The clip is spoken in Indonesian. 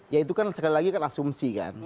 ya itu kan sekali lagi kan asumsi kan